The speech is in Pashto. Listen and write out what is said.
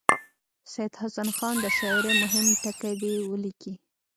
سید حسن خان د شاعرۍ مهم ټکي دې ولیکي.